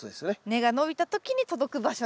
根が伸びた時に届く場所に。